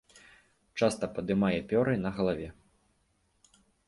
Часта падымае пёры на галаве.